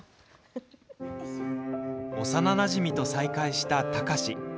幼なじみと再会した貴司。